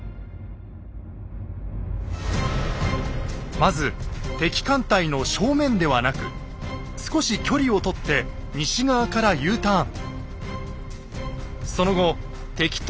まず敵艦隊の正面ではなく少し距離を取って西側からＵターン。